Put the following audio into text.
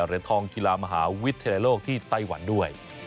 เหรียญทองกีฬามหาวิทยาลัยโลกที่ไต้หวันด้วย